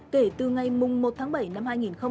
kể từ ngày một tháng bảy năm hai nghìn hai mươi